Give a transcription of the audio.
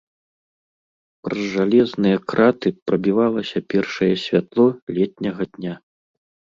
Праз жалезныя краты прабівалася першае святло летняга дня.